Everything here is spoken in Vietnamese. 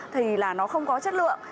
thì là nó không có chất lượng